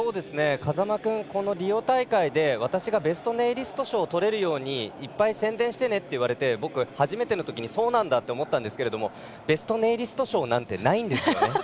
風間君、このリオ大会で私がベストネイリスト賞をとれるようにいっぱい宣伝してねって言われて僕、初めてのときにそうなんだって思ったんですがベストネイリスト賞なんてないんですよね。